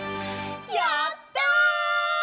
やった！